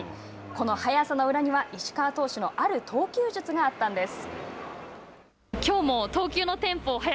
この早さの裏には石川投手のある投球術があったんです。